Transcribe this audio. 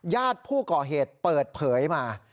ญาติผู้ก่อเหตุเปิดเผยมา